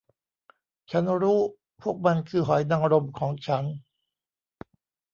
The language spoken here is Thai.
ฉันรู้พวกมันคือหอยนางรมของฉัน